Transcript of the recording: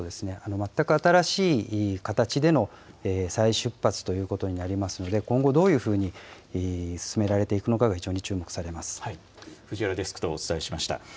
全く新しい形での再出発ということになりますので、今後どういうふうに進められていくのかが、非常に注目されま藤原デスクとお伝えしました。